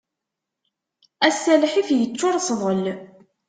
Ass-a lḥif yeččur sḍel.